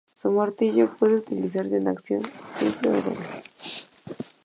Su martillo puede utilizarse en acción simple o doble.